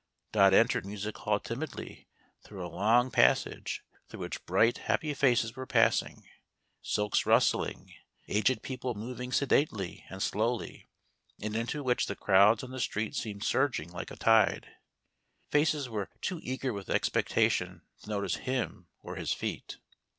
Dot entered Music Hall timidly through a long pas HOW DOT HEARD "THE MESSIAH." 1 9 sage through which bright, happy faces were passing, silks rustling, aged people moving sedately and slowly. and into which the crowds on the street seemed surging like a tide. Faces were too eager with expectation to notice him or his feet.